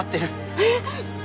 えっ！？